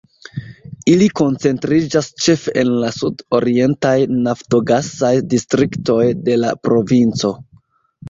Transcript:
Ili koncentriĝas ĉefe en la sud-orientaj naftogasaj distriktoj de la provinco.